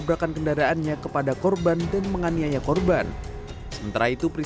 merah karena bangkana menangkapnya di bahwa menangkap ibrahima tanyajar captain